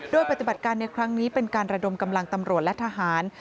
โดยปฏิบัติการในครั้งนี้เป็นการระดมกำลังตำรวจและทหาร